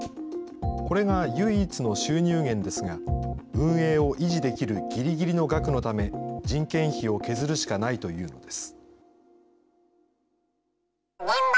これが唯一の収入源ですが、運営を維持できるぎりぎりの額のため、人件費を削るしかないというのです。